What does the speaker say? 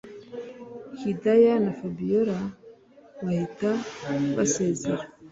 hidaya na fabiora bahita basezera